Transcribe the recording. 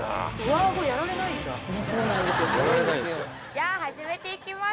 じゃあ始めていきます。